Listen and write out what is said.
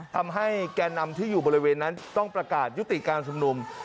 ทำให้แก่นำที่อยู่บริเวณนั้นต้องประกาศยุติการชุมนุม